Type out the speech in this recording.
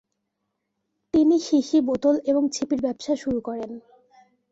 তিনি শিশি বোতল এবং ছিপির ব্যবসা শুরু করেন ।